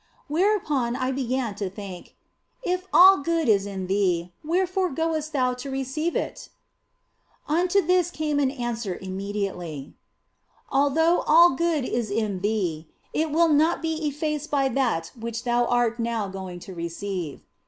Whereupon I began to think, " If all good is in thee, wherefore goest thou to receive it ?" Unto this came an answer immediately, " Although all good is in thee, it will not be effaced by that which thou art now going to receive."